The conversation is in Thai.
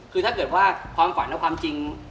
คือถ้าเกิดว่าความฝันเอาความจริง